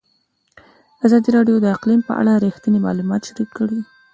ازادي راډیو د اقلیم په اړه رښتیني معلومات شریک کړي.